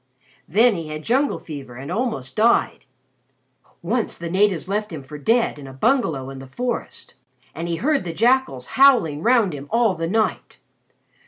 Then he had jungle fever and almost died. Once the natives left him for dead in a bungalow in the forest, and he heard the jackals howling round him all the night.